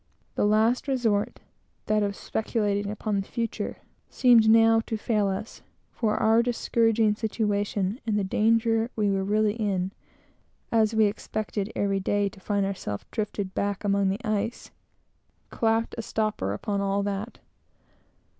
The last resort, that of speculating upon the future, seemed now to fail us, for our discouraging situation, and the danger we were really in, (as we expected every day to find ourselves drifted back among the ice) "clapped a stopper" upon all that.